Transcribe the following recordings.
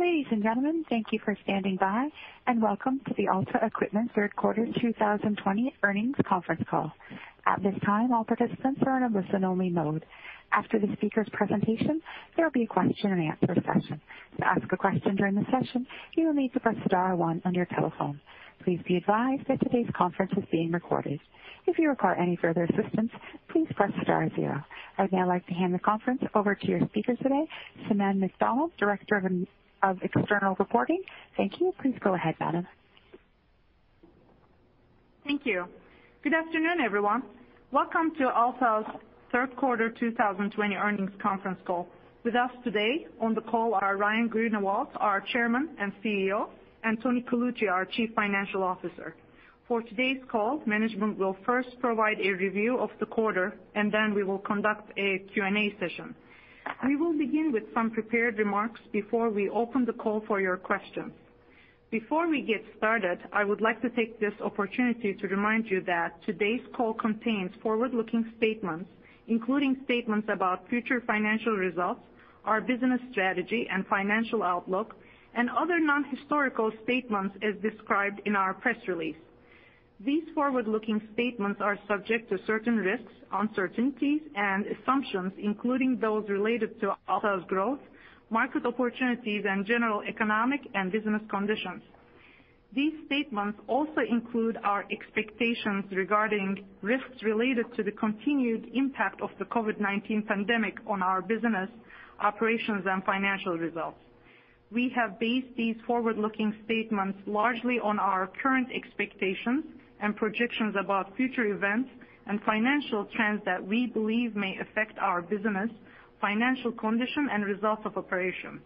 Ladies and gentlemen, thank you for standing by and welcome to the Alta Equipment Q3 2020 Earnings Conference Call. At this time, all participants are in a listen-only mode. After the speakers' presentation, there will be a question-and-answer session. To ask a question during the session, you will need to press star one on your telephone. Please be advised that today's conference is being recorded. If you require any further assistance, please press star zero. I'd now like to hand the conference over to your speaker today, Sinem McDonald, Director of External Reporting. Thank you. Please go ahead, madam. Thank you. Good afternoon, everyone. Welcome to Alta's Q3 2020 Earnings Conference Call. With us today on the call are Ryan Greenawalt, our Chairman and CEO, and Tony Colucci, our Chief Financial Officer. For today's call, management will first provide a review of the quarter, and then we will conduct a Q&A session. We will begin with some prepared remarks before we open the call for your questions. Before we get started, I would like to take this opportunity to remind you that today's call contains forward-looking statements, including statements about future financial results, our business strategy and financial outlook, and other non-historical statements as described in our press release. These forward-looking statements are subject to certain risks, uncertainties, and assumptions, including those related to Alta's growth, market opportunities, and general economic and business conditions. These statements also include our expectations regarding risks related to the continued impact of the COVID-19 pandemic on our business operations and financial results. We have based these forward-looking statements largely on our current expectations and projections about future events and financial trends that we believe may affect our business, financial condition, and results of operations.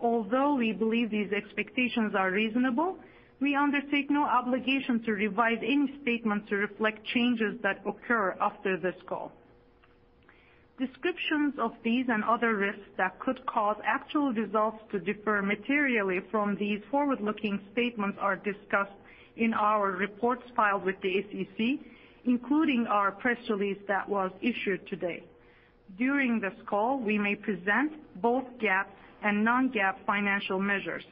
Although we believe these expectations are reasonable, we undertake no obligation to revise any statement to reflect changes that occur after this call. Descriptions of these and other risks that could cause actual results to differ materially from these forward-looking statements are discussed in our reports filed with the SEC, including our press release that was issued today. During this call, we may present both GAAP and non-GAAP financial measures.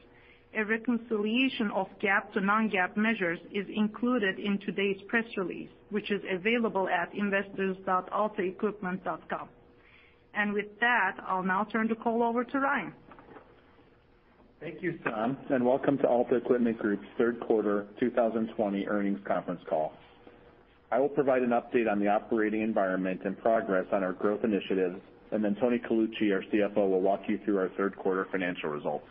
A reconciliation of GAAP to non-GAAP measures is included in today's press release, which is available at investors.altaequipment.com. With that, I'll now turn the call over to Ryan. Thank you, Sinem. Welcome to Alta Equipment Group's Q3 2020 Earnings Conference Call. I will provide an update on the operating environment and progress on our growth initiatives. Then Tony Colucci, our CFO, will walk you through our Q3 financial results.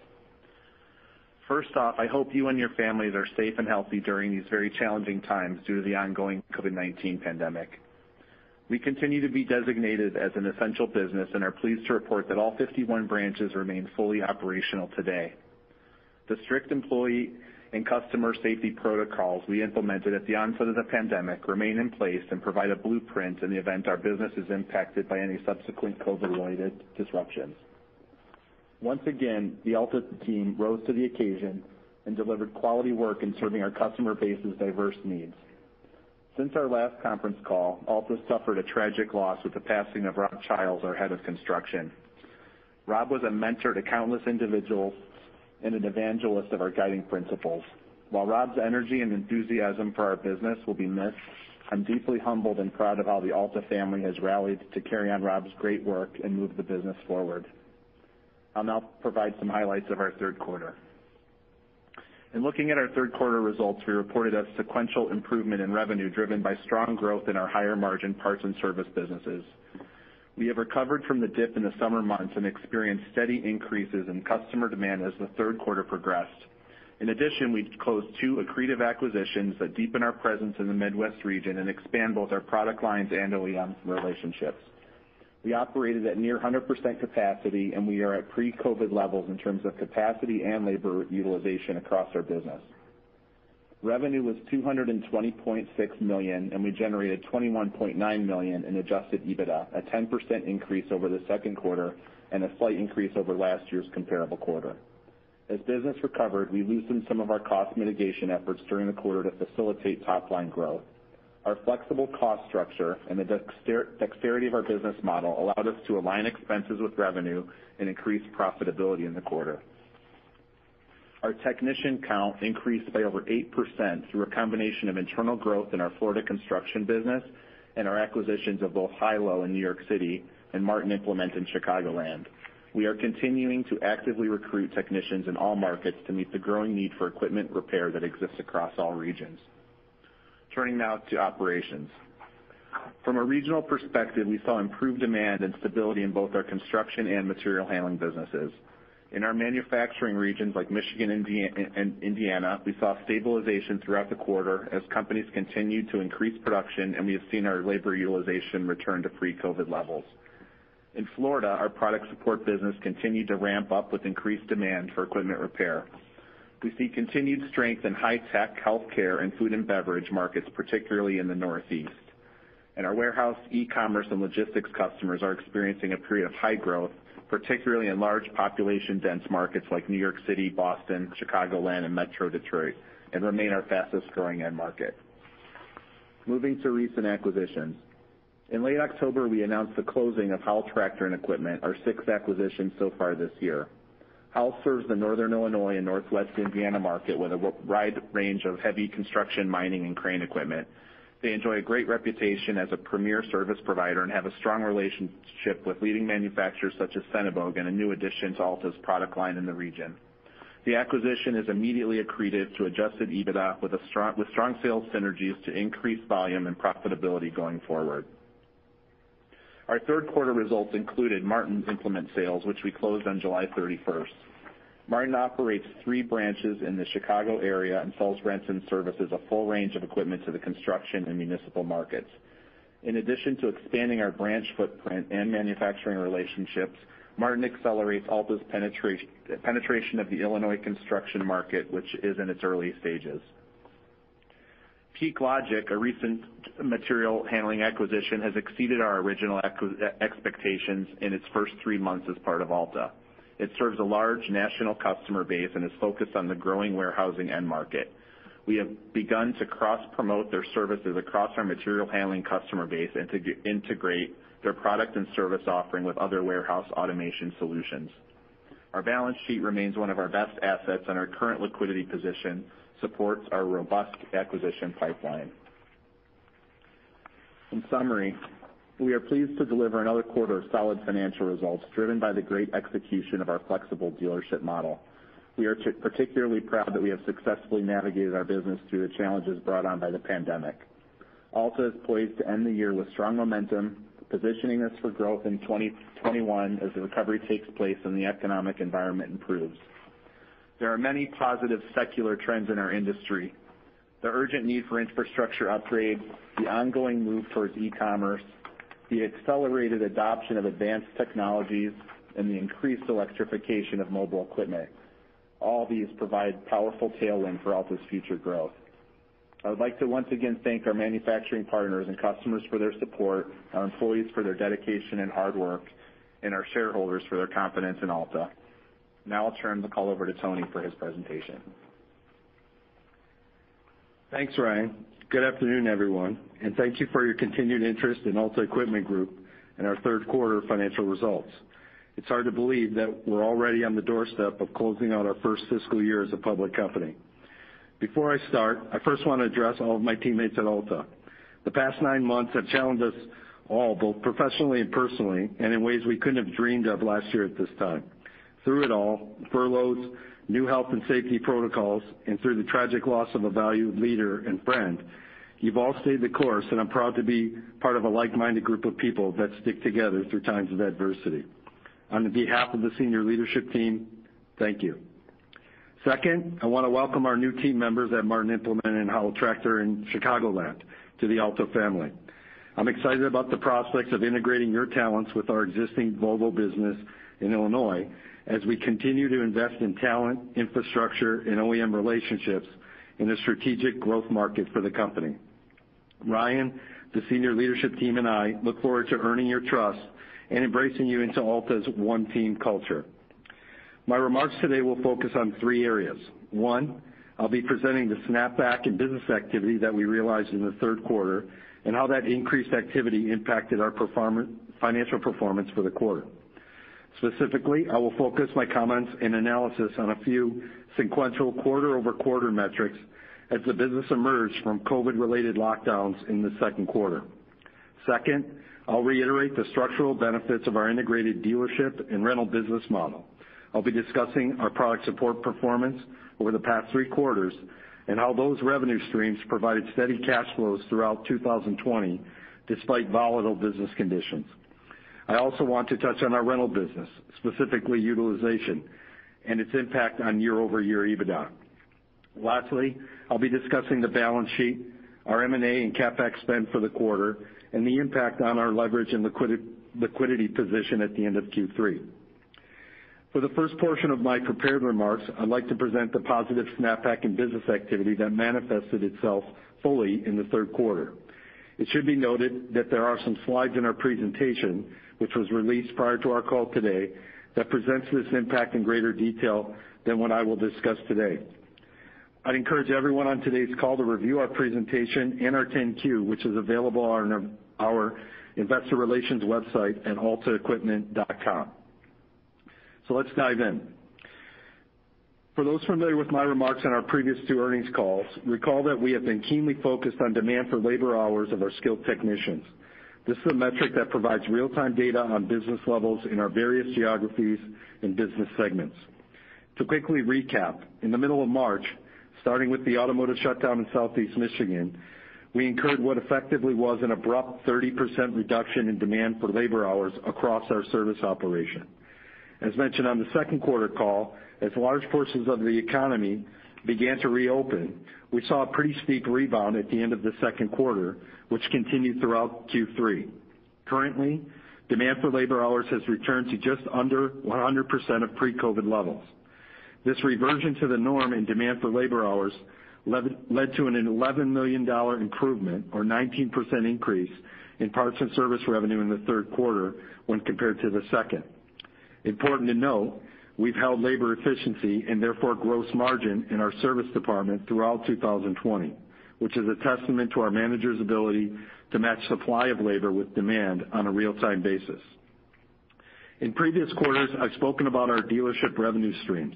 First off, I hope you and your families are safe and healthy during these very challenging times due to the ongoing COVID-19 pandemic. We continue to be designated as an essential business and are pleased to report that all 51 branches remain fully operational today. The strict employee and customer safety protocols we implemented at the onset of the pandemic remain in place and provide a blueprint in the event our business is impacted by any subsequent COVID-related disruptions. Once again, the Alta team rose to the occasion and delivered quality work in serving our customer base's diverse needs. Since our last conference call, Alta suffered a tragic loss with the passing of Rob Chiles, our head of construction. Rob was a mentor to countless individuals and an evangelist of our guiding principles. While Rob's energy and enthusiasm for our business will be missed, I'm deeply humbled and proud of how the Alta family has rallied to carry on Rob's great work and move the business forward. I'll now provide some highlights of our Q3. In looking at our Q3 results, we reported a sequential improvement in revenue driven by strong growth in our higher-margin parts and service businesses. We have recovered from the dip in the summer months and experienced steady increases in customer demand as the Q3 progressed. In addition, we closed two accretive acquisitions that deepen our presence in the Midwest region and expand both our product lines and OEM relationships. We operated at near 100% capacity, and we are at pre-COVID levels in terms of capacity and labor utilization across our business. Revenue was $220.6 million, and we generated $21.9 million in adjusted EBITDA, a 10% increase over the Q2 and a slight increase over last year's comparable quarter. As business recovered, we loosened some of our cost mitigation efforts during the quarter to facilitate top-line growth. Our flexible cost structure and the dexterity of our business model allowed us to align expenses with revenue and increase profitability in the quarter. Our technician count increased by over 8% through a combination of internal growth in our Florida construction business and our acquisitions of both Hilo in New York City and Martin Implement in Chicagoland. We are continuing to actively recruit technicians in all markets to meet the growing need for equipment repair that exists across all regions. Turning now to operations. From a regional perspective, we saw improved demand and stability in both our construction and material handling businesses. In our manufacturing regions like Michigan and Indiana, we saw stabilization throughout the quarter as companies continued to increase production, and we have seen our labor utilization return to pre-COVID levels. In Florida, our product support business continued to ramp up with increased demand for equipment repair. We see continued strength in high-tech healthcare and food and beverage markets, particularly in the Northeast. Our warehouse, e-commerce, and logistics customers are experiencing a period of high growth, particularly in large population-dense markets like New York City, Boston, Chicagoland, and Metro Detroit, and remain our fastest-growing end market. Moving to recent acquisitions. In late October, we announced the closing of Howell Tractor & Equipment, our sixth acquisition so far this year. Howell serves the Northern Illinois and Northwest Indiana market with a wide range of heavy construction, mining, and crane equipment. They enjoy a great reputation as a premier service provider and have a strong relationship with leading manufacturers such as Sennebogen, a new addition to Alta's product line in the region. The acquisition is immediately accretive to adjusted EBITDA, with strong sales synergies to increase volume and profitability going forward. Our Q3 results included Martin Implement Sales, Inc., which we closed on July 31st. Martin operates three branches in the Chicago area and sells, rents, and services a full range of equipment to the construction and municipal markets. In addition to expanding our branch footprint and manufacturing relationships, Martin accelerates Alta's penetration of the Illinois construction market, which is in its early stages. PeakLogix, a recent material handling acquisition, has exceeded our original expectations in its first three months as part of Alta. It serves a large national customer base and is focused on the growing warehousing end market. We have begun to cross-promote their services across our material handling customer base and to integrate their product and service offering with other warehouse automation solutions. Our balance sheet remains one of our best assets, and our current liquidity position supports our robust acquisition pipeline. In summary, we are pleased to deliver another quarter of solid financial results driven by the great execution of our flexible dealership model. We are particularly proud that we have successfully navigated our business through the challenges brought on by the pandemic. Alta is poised to end the year with strong momentum, positioning us for growth in 2021 as the recovery takes place and the economic environment improves. There are many positive secular trends in our industry. The urgent need for infrastructure upgrades, the ongoing move towards e-commerce, the accelerated adoption of advanced technologies, and the increased electrification of mobile equipment. All these provide powerful tailwinds for Alta's future growth. I would like to once again thank our manufacturing partners and customers for their support, our employees for their dedication and hard work, and our shareholders for their confidence in Alta. Now I'll turn the call over to Tony for his presentation. Thanks, Ryan. Good afternoon, everyone, and thank you for your continued interest in Alta Equipment Group and our Q3 financial results. It's hard to believe that we're already on the doorstep of closing out our first fiscal year as a public company. Before I start, I first want to address all of my teammates at Alta. The past nine months have challenged us all, both professionally and personally, and in ways we couldn't have dreamed of last year at this time. Through it all, furloughs, new health and safety protocols, and through the tragic loss of a valued leader and friend, you've all stayed the course, and I'm proud to be part of a like-minded group of people that stick together through times of adversity. On behalf of the senior leadership team, thank you. Second, I want to welcome our new team members at Martin Implement and Howell Tractor in Chicagoland to the Alta family. I'm excited about the prospects of integrating your talents with our existing Volvo business in Illinois as we continue to invest in talent, infrastructure, and OEM relationships in a strategic growth market for the company. Ryan, the senior leadership team, and I look forward to earning your trust and embracing you into Alta's one team culture. My remarks today will focus on three areas. One, I'll be presenting the snapback in business activity that we realized in the Q3 and how that increased activity impacted our financial performance for the quarter. Specifically, I will focus my comments and analysis on a few sequential quarter-over-quarter metrics as the business emerged from COVID-related lockdowns in the Q2. Second, I'll reiterate the structural benefits of our integrated dealership and rental business model. I'll be discussing our product support performance over the past three quarters and how those revenue streams provided steady cash flows throughout 2020 despite volatile business conditions. I also want to touch on our rental business, specifically utilization and its impact on year-over-year EBITDA. Lastly, I'll be discussing the balance sheet, our M&A and CapEx spend for the quarter, and the impact on our leverage and liquidity position at the end of Q3. For the first portion of my prepared remarks, I'd like to present the positive snapback in business activity that manifested itself fully in the Q3. It should be noted that there are some slides in our presentation, which was released prior to our call today, that presents this impact in greater detail than what I will discuss today. I'd encourage everyone on today's call to review our presentation and our 10-Q, which is available on our investor relations website at altaequipment.com. Let's dive in. For those familiar with my remarks on our previous two earnings calls, recall that we have been keenly focused on demand for labor hours of our skilled technicians. This is a metric that provides real-time data on business levels in our various geographies and business segments. To quickly recap, in the middle of March, starting with the automotive shutdown in Southeast Michigan, we incurred what effectively was an abrupt 30% reduction in demand for labor hours across our service operation. As mentioned on the Q2 call, as large portions of the economy began to reopen, we saw a pretty steep rebound at the end of the Q2, which continued throughout Q3. Currently, demand for labor hours has returned to just under 100% of pre-COVID-19 levels. This reversion to the norm in demand for labor hours led to an $11 million improvement or 19% increase in parts and service revenue in the Q3 when compared to the second. Important to note, we've held labor efficiency, and therefore, gross margin in our service department throughout 2020, which is a testament to our managers' ability to match supply of labor with demand on a real-time basis. In previous quarters, I've spoken about our dealership revenue streams,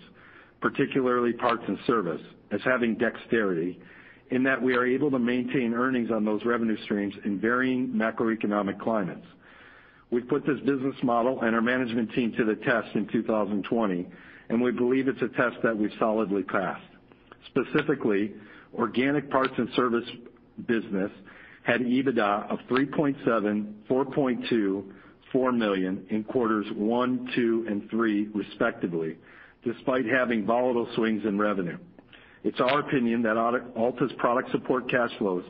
particularly parts and service, as having dexterity, in that we are able to maintain earnings on those revenue streams in varying macroeconomic climates. We put this business model and our management team to the test in 2020, and we believe it's a test that we solidly passed. Specifically, organic parts and service business had EBITDA of $3.7 million, $4.2 million, $4 million in quarters one, two, and three, respectively, despite having volatile swings in revenue. It's our opinion that Alta's product support cash flows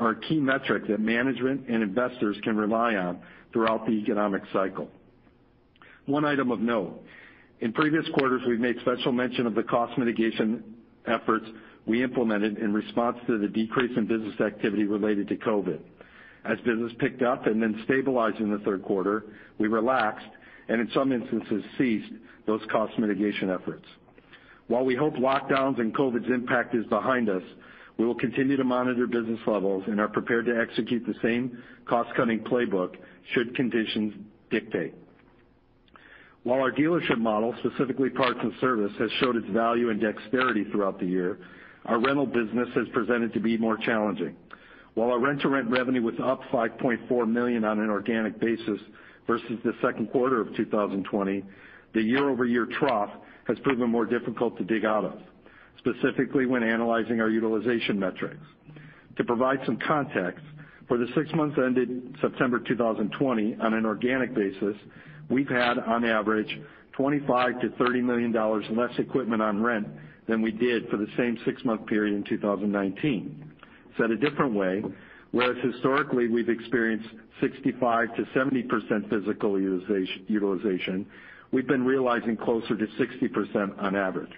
are a key metric that management and investors can rely on throughout the economic cycle. One item of note, in previous quarters, we've made special mention of the cost mitigation efforts we implemented in response to the decrease in business activity related to COVID. As business picked up and then stabilized in the Q3, we relaxed, and in some instances, ceased those cost mitigation efforts. While we hope lockdowns and COVID's impact is behind us, we will continue to monitor business levels and are prepared to execute the same cost-cutting playbook should conditions dictate. While our dealership model, specifically parts and service, has showed its value and dexterity throughout the year, our rental business has presented to be more challenging. While our rent-to-rent revenue was up $5.4 million on an organic basis versus the Q2 of 2020, the year-over-year trough has proven more difficult to dig out of, specifically when analyzing our utilization metrics. To provide some context, for the six months that ended September 2020, on an organic basis, we've had on average $25 million-$30 million less equipment on rent than we did for the same six-month period in 2019. Said a different way, whereas historically we've experienced 65%-70% physical utilization, we've been realizing closer to 60% on average.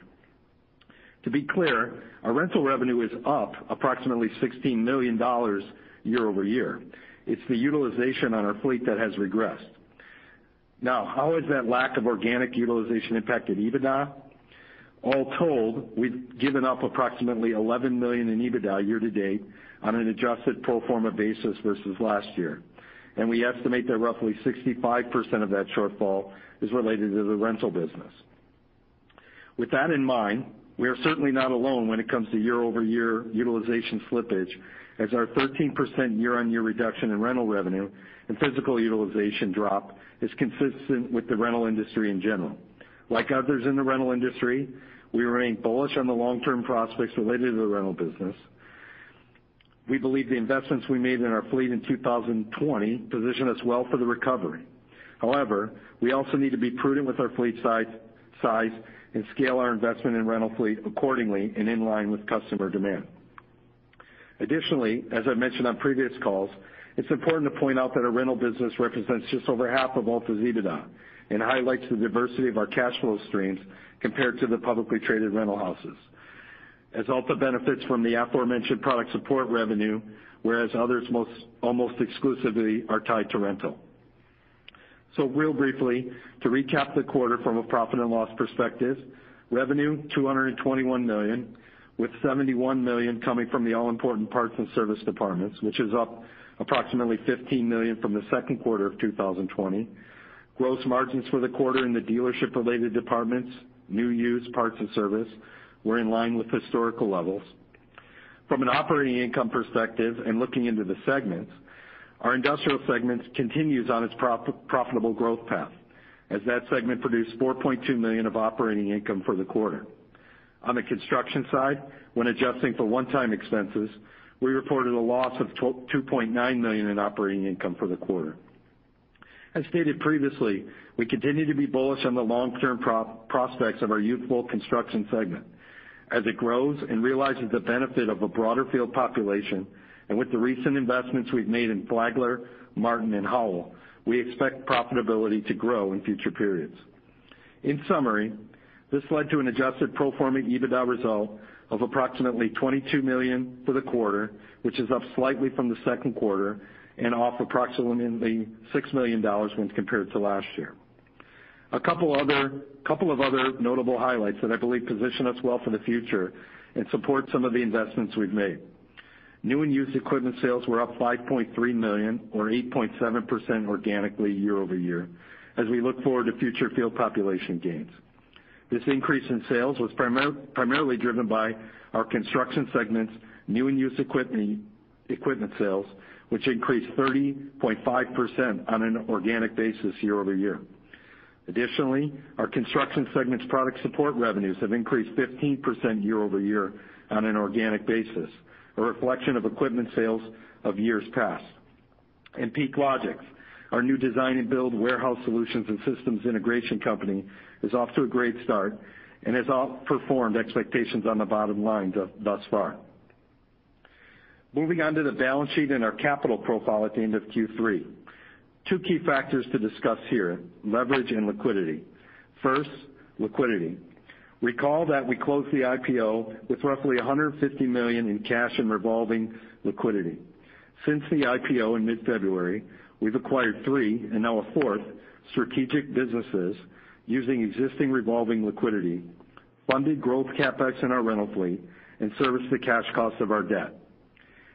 To be clear, our rental revenue is up approximately $16 million year-over-year. It's the utilization on our fleet that has regressed. Now, how has that lack of organic utilization impacted EBITDA? All told, we've given up approximately $11 million in EBITDA year-to-date on an adjusted pro forma basis versus last year, and we estimate that roughly 65% of that shortfall is related to the rental business. With that in mind, we are certainly not alone when it comes to year-over-year utilization slippage, as our 13% year-on-year reduction in rental revenue and physical utilization drop is consistent with the rental industry in general. Like others in the rental industry, we remain bullish on the long-term prospects related to the rental business. We believe the investments we made in our fleet in 2020 position us well for the recovery. However, we also need to be prudent with our fleet size and scale our investment in rental fleet accordingly and in line with customer demand. Additionally, as I mentioned on previous calls, it's important to point out that our rental business represents just over half of Alta's EBITDA and highlights the diversity of our cash flow streams compared to the publicly traded rental houses, as Alta benefits from the aforementioned product support revenue, whereas others almost exclusively are tied to rental. Real briefly, to recap the quarter from a profit and loss perspective, revenue $221 million, with $71 million coming from the all-important parts and service departments, which is up approximately $15 million from the Q2 of 2020. Gross margins for the quarter in the dealership-related departments, new used parts and service, were in line with historical levels. From an operating income perspective and looking into the segments, our industrial segments continues on its profitable growth path, as that segment produced $4.2 million of operating income for the quarter. On the construction side, when adjusting for one-time expenses, we reported a loss of $2.9 million in operating income for the quarter. As stated previously, we continue to be bullish on the long-term prospects of our youthful construction segment. As it grows and realizes the benefit of a broader field population, with the recent investments we've made in Flagler, Martin, and Howell, we expect profitability to grow in future periods. In summary, this led to an adjusted pro forma EBITDA result of approximately $22 million for the quarter, which is up slightly from the Q2 and off approximately $6 million when compared to last year. A couple of other notable highlights that I believe position us well for the future and support some of the investments we've made. New and used equipment sales were up $5.3 million or 8.7% organically year-over-year, as we look forward to future field population gains. This increase in sales was primarily driven by our construction segment's new and used equipment sales, which increased 30.5% on an organic basis year-over-year. Additionally, our construction segment's product support revenues have increased 15% year-over-year on an organic basis, a reflection of equipment sales of years past. PeakLogix, our new design and build warehouse solutions and systems integration company, is off to a great start and has outperformed expectations on the bottom line thus far. Moving on to the balance sheet and our capital profile at the end of Q3. Two key factors to discuss here, leverage and liquidity. First, liquidity. Recall that we closed the IPO with roughly $150 million in cash and revolving liquidity. Since the IPO in mid-February, we've acquired three, and now a fourth, strategic businesses using existing revolving liquidity, funded growth CapEx in our rental fleet, and serviced the cash costs of our debt.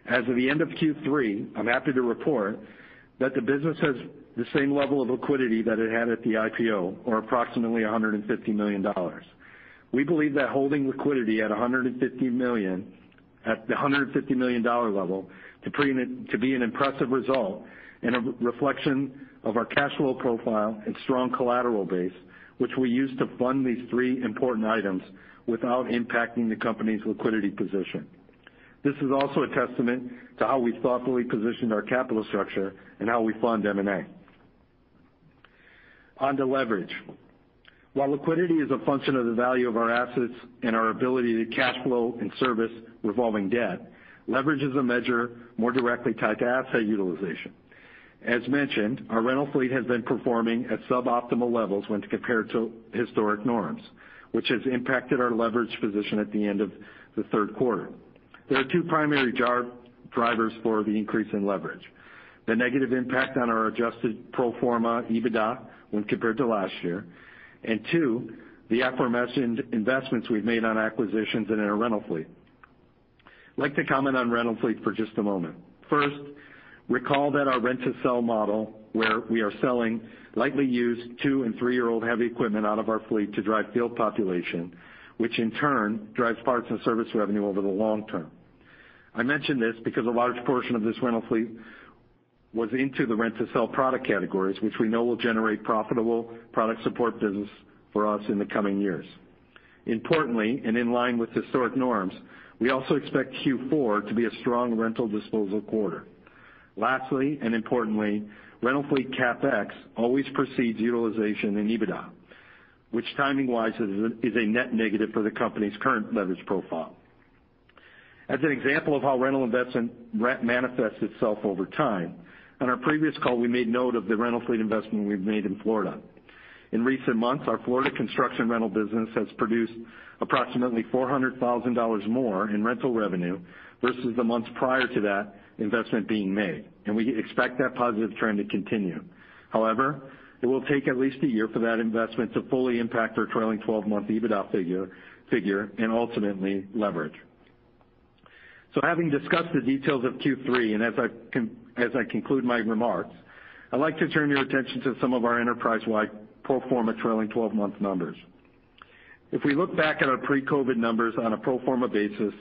As of the end of Q3, I'm happy to report that the business has the same level of liquidity that it had at the IPO, or approximately $150 million. We believe that holding liquidity at $150 million to be an impressive result and a reflection of our cash flow profile and strong collateral base, which we used to fund these three important items without impacting the company's liquidity position. This is also a testament to how we thoughtfully positioned our capital structure and how we fund M&A. On to leverage. While liquidity is a function of the value of our assets and our ability to cash flow and service revolving debt, leverage is a measure more directly tied to asset utilization. As mentioned, our rental fleet has been performing at sub-optimal levels when compared to historic norms, which has impacted our leverage position at the end of the Q3. There are two primary drivers for the increase in leverage. The negative impact on our adjusted pro forma EBITDA when compared to last year, and two, the aforementioned investments we've made on acquisitions and in our rental fleet. I'd like to comment on rental fleet for just a moment. First, recall that our rent-to-sell model, where we are selling lightly used two and three-year-old heavy equipment out of our fleet to drive field population, which in turn drives parts and service revenue over the long term. I mention this because a large portion of this rental fleet was into the rent-to-sell product categories, which we know will generate profitable product support business for us in the coming years. Importantly, and in line with historic norms, we also expect Q4 to be a strong rental disposal quarter. Lastly, and importantly, rental fleet CapEx always precedes utilization in EBITDA, which timing-wise is a net negative for the company's current leverage profile. As an example of how rental investment manifests itself over time, on our previous call, we made note of the rental fleet investment we've made in Florida. In recent months, our Florida construction rental business has produced approximately $400,000 more in rental revenue versus the months prior to that investment being made, and we expect that positive trend to continue. However, it will take at least a year for that investment to fully impact our trailing 12-month EBITDA figure, and ultimately leverage. Having discussed the details of Q3, and as I conclude my remarks, I'd like to turn your attention to some of our enterprise-wide pro forma trailing 12-month numbers. If we look back at our pre-COVID numbers on a pro forma basis,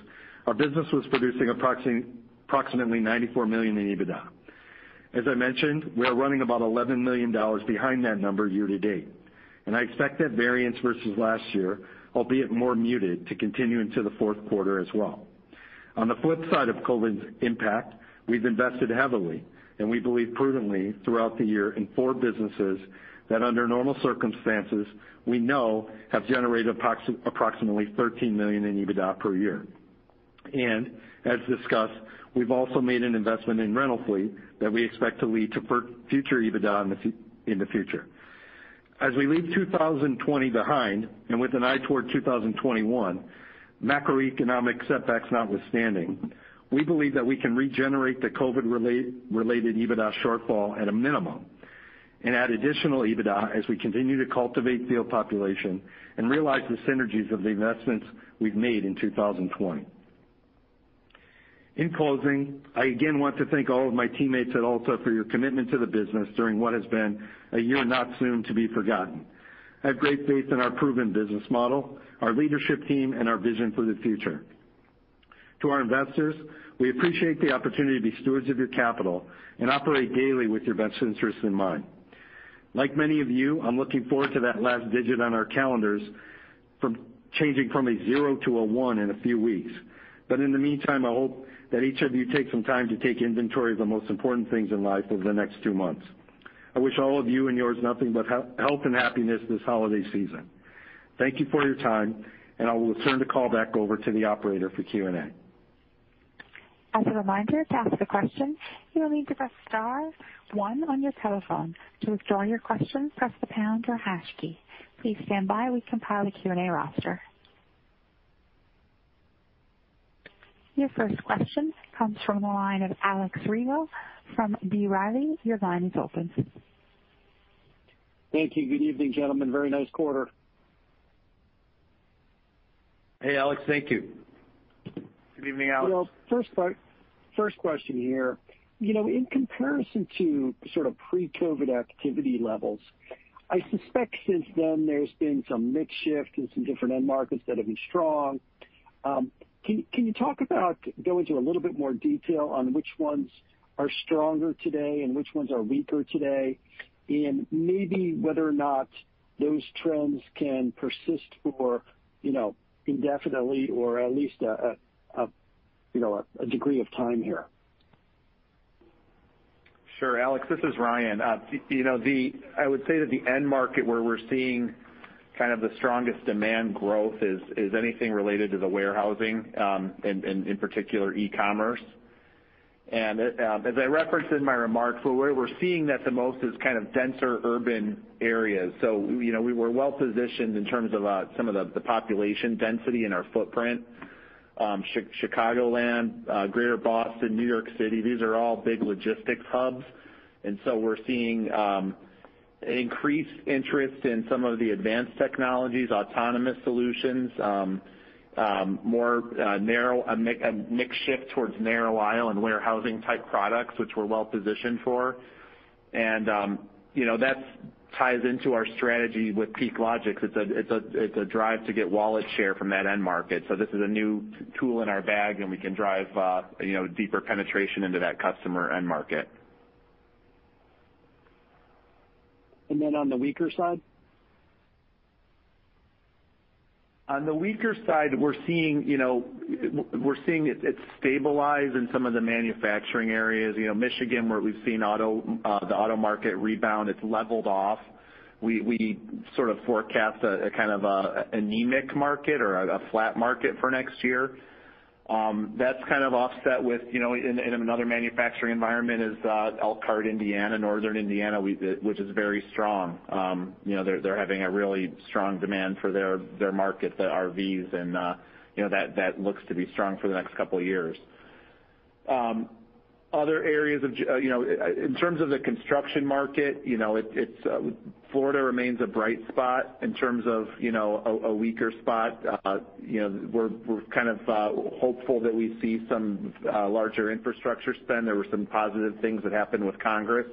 our business was producing approximately $94 million in EBITDA. As I mentioned, we are running about $11 million behind that number year to date. I expect that variance versus last year, albeit more muted, to continue into the Q4 as well. On the flip side of COVID's impact, we've invested heavily, and we believe prudently, throughout the year in four businesses that under normal circumstances, we know have generated approximately $13 million in EBITDA per year. As discussed, we've also made an investment in rental fleet that we expect to lead to future EBITDA in the future. As we leave 2020 behind, and with an eye toward 2021, macroeconomic setbacks notwithstanding, we believe that we can regenerate the COVID-related EBITDA shortfall at a minimum and add additional EBITDA as we continue to cultivate field population and realize the synergies of the investments we've made in 2020. In closing, I again want to thank all of my teammates at Alta for your commitment to the business during what has been a year not soon to be forgotten. I have great faith in our proven business model, our leadership team, and our vision for the future. To our investors, we appreciate the opportunity to be stewards of your capital and operate daily with your best interests in mind. Like many of you, I'm looking forward to that last digit on our calendars changing from a zero to a one in a few weeks. But in the meantime, I hope that each of you take some time to take inventory of the most important things in life over the next two months. I wish all of you and yours nothing but health and happiness this holiday season. Thank you for your time, and I will turn the call back over to the operator for Q&A. Your first question comes from the line of Alex Rygiel from B. Riley. Your line is open. Thank you. Good evening, gentlemen. Very nice quarter. Hey, Alex. Thank you. Good evening, Alex. Well, first question here. In comparison to sort of pre-COVID activity levels, I suspect since then there's been some mix shift and some different end markets that have been strong. Can you go into a little bit more detail on which ones are stronger today and which ones are weaker today, and maybe whether or not those trends can persist for indefinitely or at least a degree of time here? Sure. Alex, this is Ryan. I would say that the end market where we're seeing kind of the strongest demand growth is anything related to the warehousing, in particular e-commerce, as I referenced in my remarks, where we're seeing that the most is denser urban areas. We were well-positioned in terms of some of the population density in our footprint. Chicagoland, Greater Boston, New York City, these are all big logistics hubs. We're seeing increased interest in some of the advanced technologies, autonomous solutions, a mix shift towards narrow aisle and warehousing-type products, which we're well-positioned for. That ties into our strategy with PeakLogix. It's a drive to get wallet share from that end market. This is a new tool in our bag, and we can drive deeper penetration into that customer end market. On the weaker side? On the weaker side, we're seeing it stabilize in some of the manufacturing areas. Michigan, where we've seen the auto market rebound, it's leveled off. We sort of forecast a kind of an anemic market or a flat market for next year. That's kind of offset with, in another manufacturing environment is Elkhart, Indiana, Northern Indiana, which is very strong. They're having a really strong demand for their market, the RVs, and that looks to be strong for the next couple of years. In terms of the construction market, Florida remains a bright spot. In terms of a weaker spot, we're kind of hopeful that we see some larger infrastructure spend. There were some positive things that happened with Congress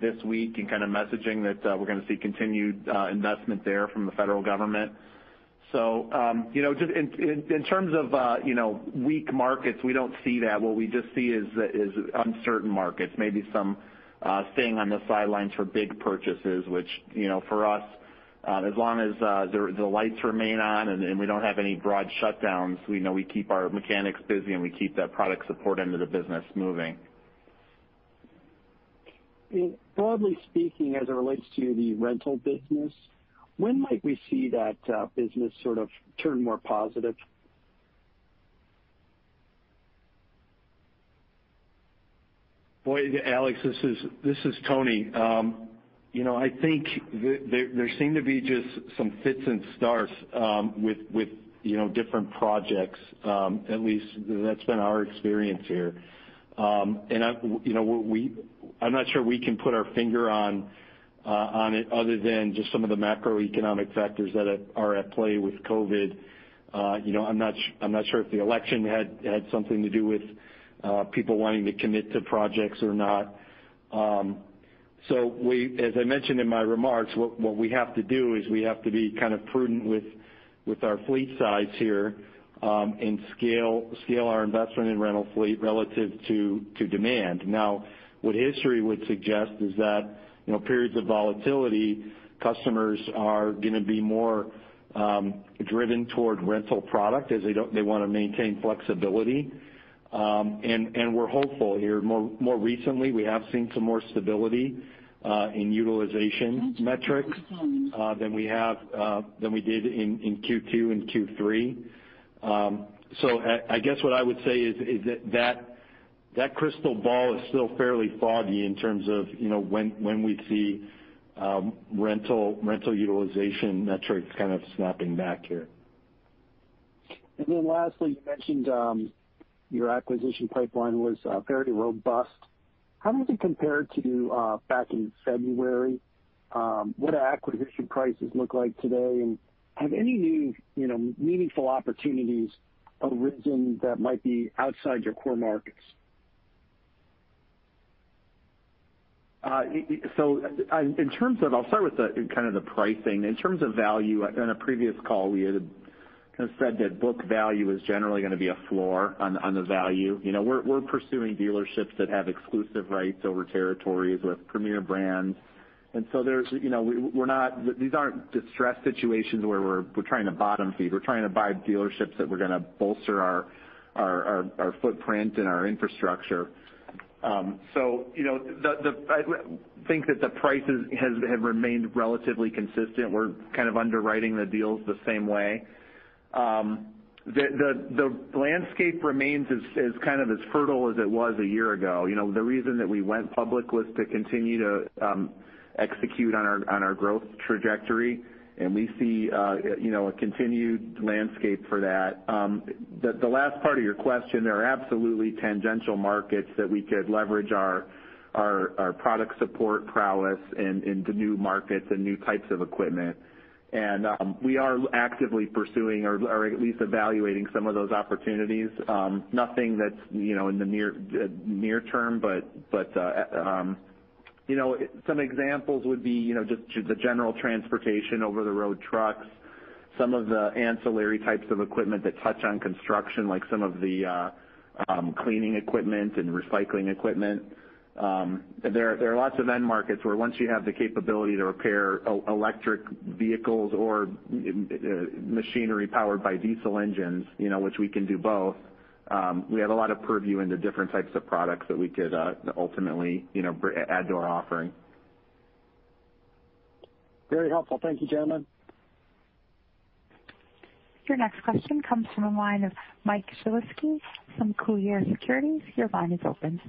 this week in kind of messaging that we're going to see continued investment there from the federal government. In terms of weak markets, we don't see that. What we just see is uncertain markets, maybe some staying on the sidelines for big purchases, which, for us, as long as the lights remain on and we don't have any broad shutdowns, we know we keep our mechanics busy, and we keep that product support end of the business moving. Broadly speaking, as it relates to the rental business, when might we see that business sort of turn more positive? Boy, Alex, this is Tony. I think there seem to be just some fits and starts with different projects. At least that's been our experience here. I'm not sure we can put our finger on it other than just some of the macroeconomic factors that are at play with COVID. I'm not sure if the election had something to do with people wanting to commit to projects or not. As I mentioned in my remarks, what we have to do is we have to be kind of prudent with our fleet size here and scale our investment in rental fleet relative to demand. Now, what history would suggest is that periods of volatility, customers are going to be more driven toward rental product, as they want to maintain flexibility. We're hopeful here. More recently, we have seen some more stability in utilization metrics than we did in Q2 and Q3. I guess what I would say is that that crystal ball is still fairly foggy in terms of when we'd see rental utilization metrics kind of snapping back here. Lastly, you mentioned your acquisition pipeline was fairly robust. How does it compare to back in February? What do acquisition prices look like today? Have any new meaningful opportunities arisen that might be outside your core markets? I'll start with kind of the pricing. In terms of value, on a previous call, we had kind of said that book value is generally going to be a floor on the value. We're pursuing dealerships that have exclusive rights over territories with premier brands. These aren't distressed situations where we're trying to bottom-feed. We're trying to buy dealerships that we're going to bolster our footprint and our infrastructure. I think that the prices have remained relatively consistent. We're kind of underwriting the deals the same way. The landscape remains as kind of as fertile as it was a year ago. The reason that we went public was to continue to execute on our growth trajectory, and we see a continued landscape for that. The last part of your question, there are absolutely tangential markets that we could leverage our product support prowess into new markets and new types of equipment. We are actively pursuing or at least evaluating some of those opportunities. Nothing that's in the near term, but some examples would be just the general transportation over-the-road trucks, some of the ancillary types of equipment that touch on construction, like some of the cleaning equipment and recycling equipment. There are lots of end markets where once you have the capability to repair electric vehicles or machinery powered by diesel engines, which we can do both, we have a lot of purview into different types of products that we could ultimately add to our offering. Very helpful. Thank you, gentlemen. Your next question comes from the line of Mike Zalewski from Colliers Securities. Your line is open.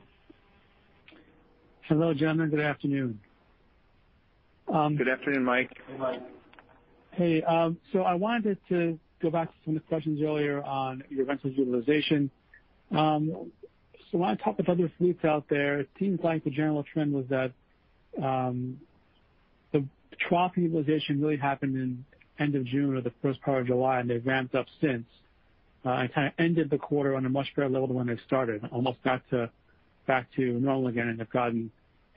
Hello, gentlemen. Good afternoon. Good afternoon, Mike. Hey, Mike. Hey. I wanted to go back to some of the questions earlier on your rental utilization. When I talk with other fleets out there, it seems like the general trend was that the trough utilization really happened in end of June or the first part of July, and they've ramped up since. Kind of ended the quarter on a much better level than when they started, almost back to normal again, and have gotten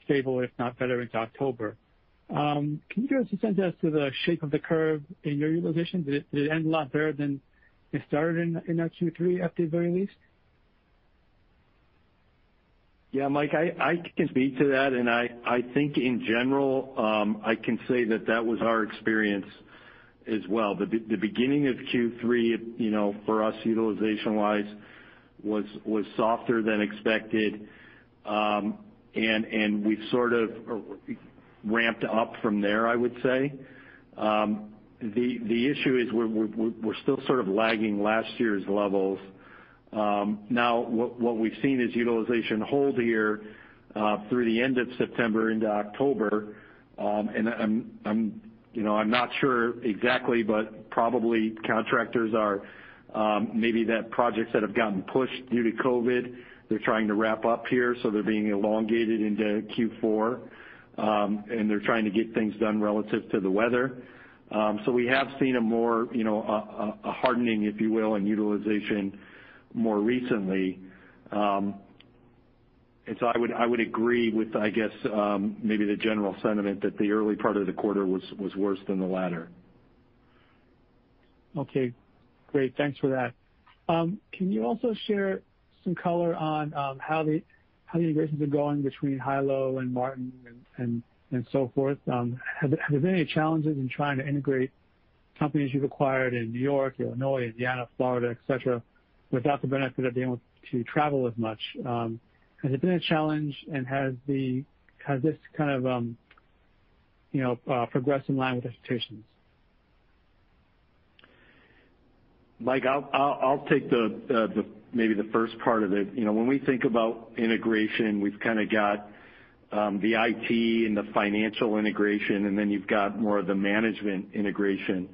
stable, if not better into October. Can you give us a sense as to the shape of the curve in your utilization? Did it end a lot better than it started in Q3 at the very least? Yeah, Mike, I can speak to that. I think in general, I can say that that was our experience as well. The beginning of Q3, for us, utilization-wise, was softer than expected. We've sort of ramped up from there, I would say. The issue is we're still sort of lagging last year's levels. What we've seen is utilization hold here through the end of September into October. I'm not sure exactly, but probably contractors are, maybe that projects that have gotten pushed due to COVID, they're trying to wrap up here, so they're being elongated into Q4. They're trying to get things done relative to the weather. We have seen a hardening, if you will, in utilization more recently. I would agree with, I guess, maybe the general sentiment that the early part of the quarter was worse than the latter. Okay, great. Thanks for that. Can you also share some color on how the integrations are going between Hilo and Martin and so forth? Have there been any challenges in trying to integrate companies you've acquired in New York, Illinois, Indiana, Florida, et cetera, without the benefit of being able to travel as much? Has it been a challenge? Has this kind of progressed in line with expectations? Mike, I'll take maybe the first part of it. When we think about integration, we've kind of got the IT and the financial integration, and then you've got more of the management integration.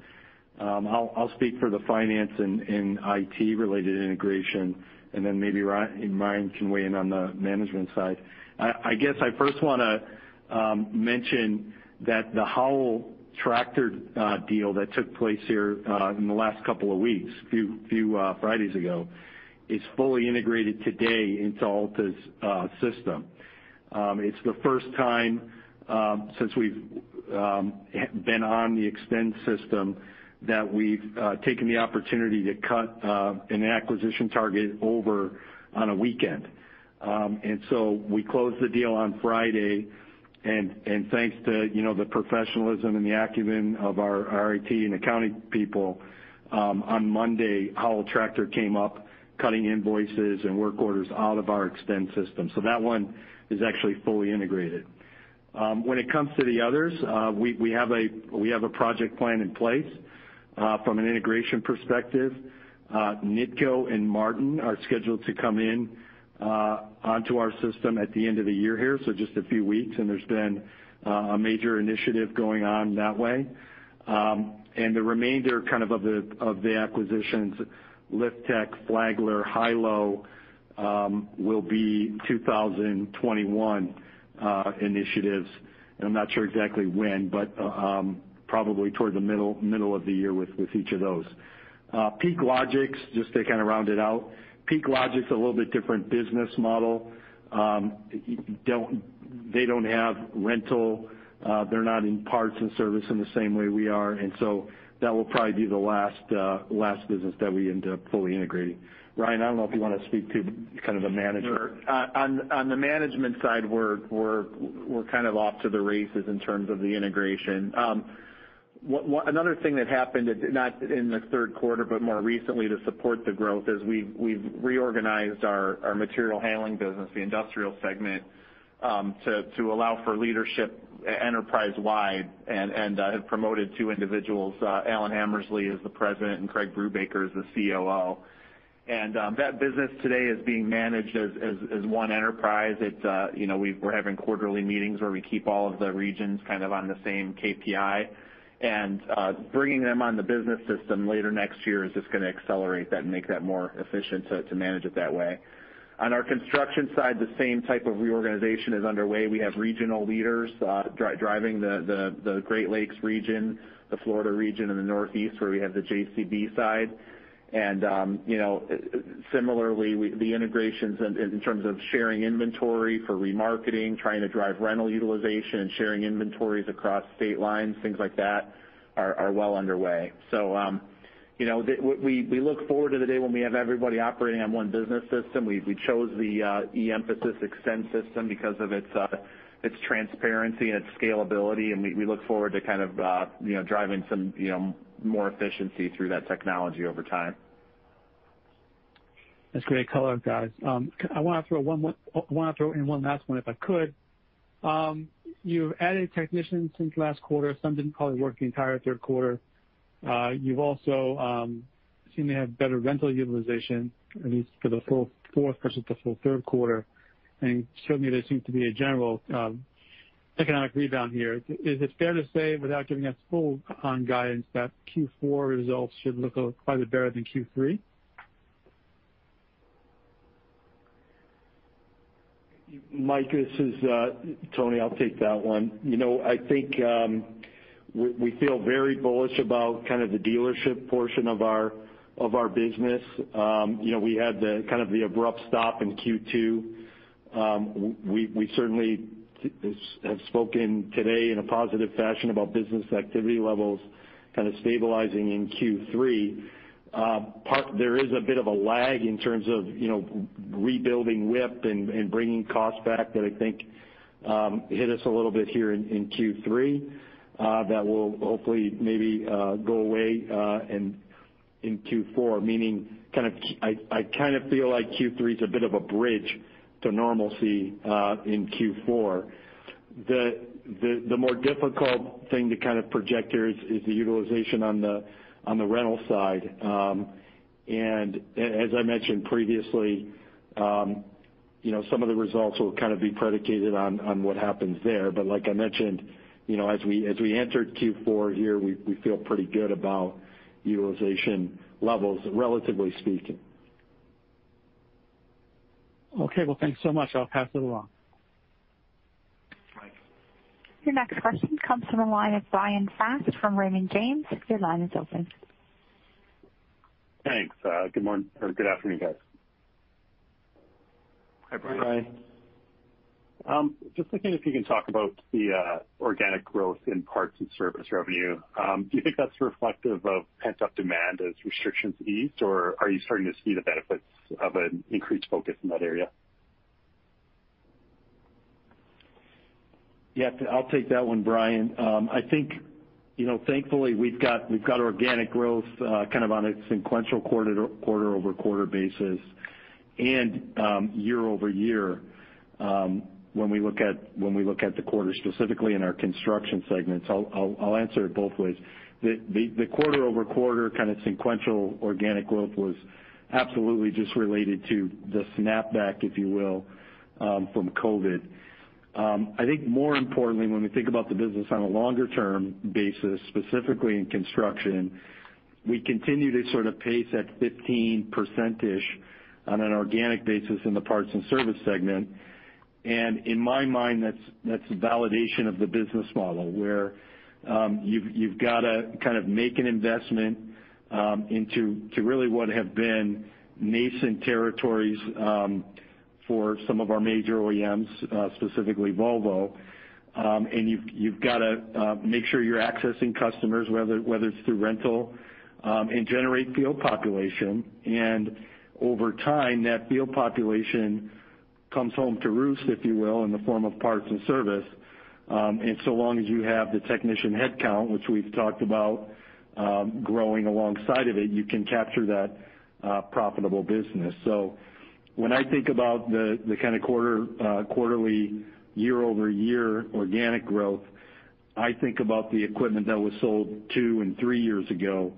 I'll speak for the finance and IT-related integration, and then maybe Ryan can weigh in on the management side. I guess I first want to mention that the Howell Tractor deal that took place here in the last couple of weeks, few Fridays ago, is fully integrated today into Alta's system. It's the first time since we've been on the eXtend system that we've taken the opportunity to cut an acquisition target over on a weekend. We closed the deal on Friday, and thanks to the professionalism and the acumen of our IT and accounting people, on Monday, Howell Tractor came up cutting invoices and work orders out of our eXtend system. That one is actually fully integrated. When it comes to the others, we have a project plan in place from an integration perspective. NITCO and Martin are scheduled to come in onto our system at the end of the year here, so just a few weeks, and there's been a major initiative going on that way. The remainder of the acquisitions, Liftech, Flagler, Hilo, will be 2021 initiatives. I'm not sure exactly when, but probably toward the middle of the year with each of those. PeakLogix, just to kind of round it out. PeakLogix, a little bit different business model. They don't have rental. They're not in parts and service in the same way we are. That will probably be the last business that we end up fully integrating. Ryan, I don't know if you want to speak to kind of the management. Sure. On the management side, we're kind of off to the races in terms of the integration. Another thing that happened, not in the Q3, but more recently to support the growth, is we've reorganized our material handling business, the industrial segment, to allow for leadership enterprise-wide and have promoted two individuals. Alan Hammersley is the president, and Craig Brubaker is the COO. And that business today is being managed as one enterprise. We're having quarterly meetings where we keep all of the regions on the same KPI. And bringing them on the business system later next year is just going to accelerate that and make that more efficient to manage it that way. On our construction side, the same type of reorganization is underway. We have regional leaders driving the Great Lakes region, the Florida region, and the Northeast, where we have the JCB side. Similarly, the integrations in terms of sharing inventory for remarketing, trying to drive rental utilization, and sharing inventories across state lines, things like that, are well underway. We look forward to the day when we have everybody operating on one business system. We chose the e-Emphasys eXtend system because of its transparency and its scalability, and we look forward to driving some more efficiency through that technology over time. That's great color, guys. I want to throw in one last one if I could. You've added technicians since last quarter. Some didn't probably work the entire Q3. You've also seemed to have better rental utilization, at least for the full fourth versus the full Q3, and showed me there seems to be a general economic rebound here. Is it fair to say, without giving us full on guidance, that Q4 results should look quite a bit better than Q3? Mike, this is Tony. I'll take that one. I think we feel very bullish about the dealership portion of our business. We had the abrupt stop in Q2. We certainly have spoken today in a positive fashion about business activity levels stabilizing in Q3. There is a bit of a lag in terms of rebuilding WIP and bringing costs back that I think hit us a little bit here in Q3, that will hopefully maybe go away in Q4. Meaning, I feel like Q3's a bit of a bridge to normalcy in Q4. The more difficult thing to project here is the utilization on the rental side. As I mentioned previously, some of the results will be predicated on what happens there. Like I mentioned, as we enter Q4 here, we feel pretty good about utilization levels, relatively speaking. Okay. Well, thanks so much. I'll pass it along. Thanks. Your next question comes from the line of Bryan Fast from Raymond James. Your line is open. Thanks. Good morning, or good afternoon, guys. Hi, Bryan. Hi. Just looking if you can talk about the organic growth in parts and service revenue. Do you think that's reflective of pent-up demand as restrictions ease, or are you starting to see the benefits of an increased focus in that area? Yeah. I'll take that one, Bryan. I think thankfully, we've got organic growth on a sequential quarter-over-quarter basis and year-over-year. When we look at the quarter specifically in our construction segments, I'll answer it both ways. The quarter-over-quarter sequential organic growth was absolutely just related to the snapback, if you will, from COVID-19. I think more importantly, when we think about the business on a longer-term basis, specifically in construction, we continue to pace at 15%-ish on an organic basis in the parts and service segment. In my mind, that's a validation of the business model, where you've got to make an investment into really what have been nascent territories for some of our major OEMs, specifically Volvo. You've got to make sure you're accessing customers, whether it's through rental, and generate field population. Over time, that field population comes home to roost, if you will, in the form of parts and service. So long as you have the technician headcount, which we've talked about growing alongside of it, you can capture that profitable business. When I think about the quarterly year-over-year organic growth, I think about the equipment that was sold two and three years ago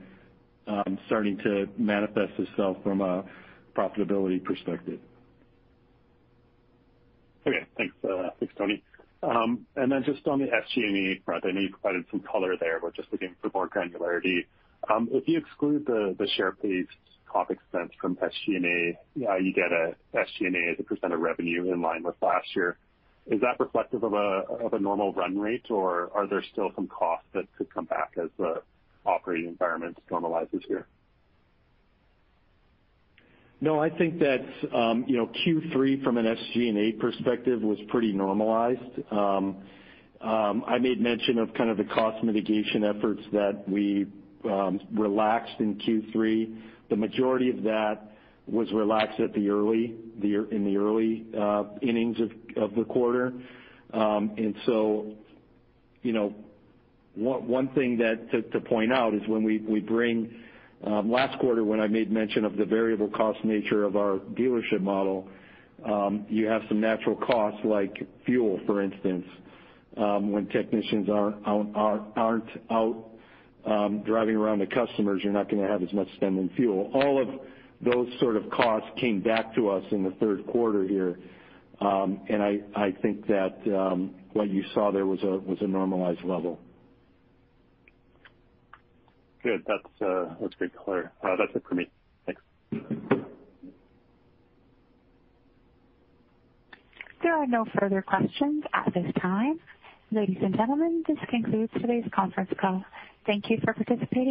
starting to manifest itself from a profitability perspective. Okay. Thanks, Tony. Just on the SG&A front, I know you provided some color there, but just looking for more granularity. If you exclude the share-based comp expense from SG&A, you get a SG&A as a % of revenue in line with last year. Is that reflective of a normal run rate, or are there still some costs that could come back as the operating environment normalizes here? No, I think that Q3 from an SG&A perspective was pretty normalized. I made mention of the cost mitigation efforts that we relaxed in Q3. The majority of that was relaxed in the early innings of the quarter. One thing to point out is when I made mention of the variable cost nature of our dealership model, you have some natural costs like fuel, for instance. When technicians aren't out driving around to customers, you're not going to have as much spend in fuel. All of those sort of costs came back to us in the Q3 here. I think that what you saw there was a normalized level. Good. That's great clarity. That's it for me. Thanks. There are no further questions at this time. Ladies and gentlemen, this concludes today's conference call. Thank you for participating.